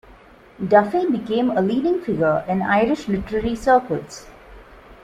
Duffy became a leading figure in Irish literary circles.